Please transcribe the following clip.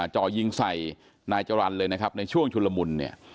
เจาะยิงใส่นายจรรเลยนะครับในช่วงชุดละมุน